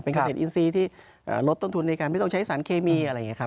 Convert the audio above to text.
เกษตรอินทรีย์ที่ลดต้นทุนในการไม่ต้องใช้สารเคมีอะไรอย่างนี้ครับ